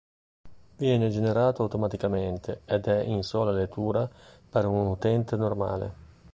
Viene generato automaticamente ed è in sola lettura per un utente normale.